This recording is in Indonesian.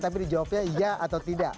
tapi di jawabnya iya atau tidak